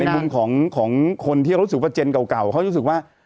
มุมของคนที่รู้สึกว่าเจนเก่าเขารู้สึกว่า